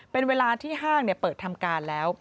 เป็นเวลาที่ห้างเปิดทำการแล้ว